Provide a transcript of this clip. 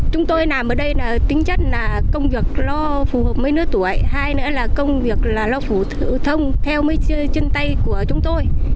chúng tôi làm ở đây tính chất là công việc lo phù hợp mấy nước tuổi hay nữa là công việc lo phủ thử thông theo mấy chân tay của chúng tôi